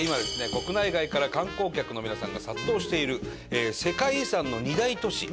国内外から観光客の皆さんが殺到している世界遺産の２大都市